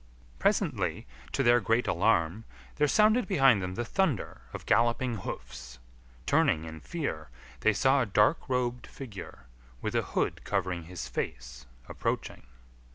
Presently, to their great alarm, there sounded behind them the thunder of galloping hoofs. Turning in fear, they saw a dark robed figure, with a hood covering his face, approaching.